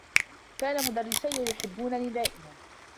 كان مدرّسيّ يحبّونني دائما.